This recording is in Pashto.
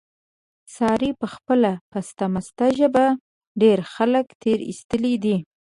سارې په خپله پسته مسته ژبه، ډېر خلک تېر ایستلي دي.